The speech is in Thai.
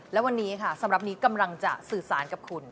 และวันนี้ค่ะสำหรับนี้กำลังจะสื่อสารกับคุณ